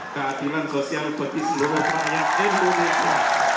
keadilan sosial bagi seluruh rakyat indonesia